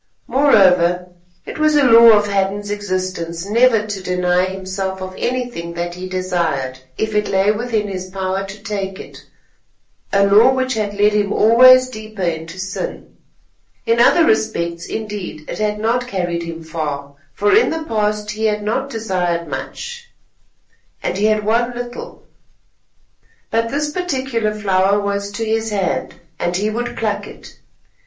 Moreover, it was a law of Hadden's existence never to deny himself of anything that he desired if it lay within his power to take it—a law which had led him always deeper into sin. In other respects, indeed, it had not carried him far, for in the past he had not desired much, and he had won little; but this particular flower was to his hand, and he would pluck it.